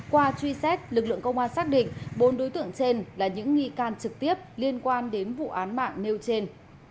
qua truy xét lực lượng công an xác định bốn đối tượng trên là những nghi can trực tiếp liên quan đến vụ án mạng nêu trên